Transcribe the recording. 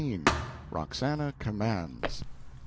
Roxana Commands.